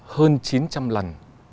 hơn chín trăm linh lần